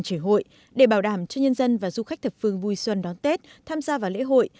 chở hội để bảo đảm cho nhân dân và du khách thập phương vui xuân đón tết tham gia vào lễ hội